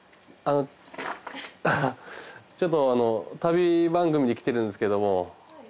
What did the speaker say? ちょっと旅番組で来てるんですけども。